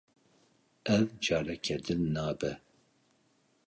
Ev, careke din nabe.